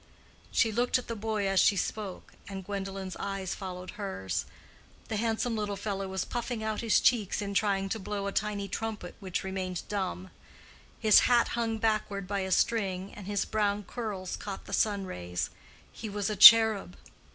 She looked at the boy as she spoke, and Gwendolen's eyes followed hers. The handsome little fellow was puffing out his cheeks in trying to blow a tiny trumpet which remained dumb. His hat hung backward by a string, and his brown curls caught the sun rays. He was a cherub.